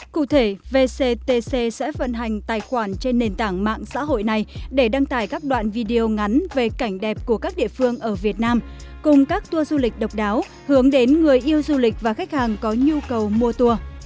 cụ thể vctc sẽ vận hành tài khoản trên nền tảng mạng xã hội này để đăng tải các đoạn video ngắn về cảnh đẹp của các địa phương ở việt nam cùng các tour du lịch độc đáo hướng đến người yêu du lịch và khách hàng có nhu cầu mua tour